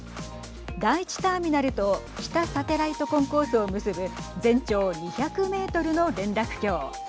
第１ターミナルと北サテライト・コンコースを結ぶ全長２００メートルの連絡橋。